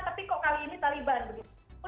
tapi kok kali ini taliban begitu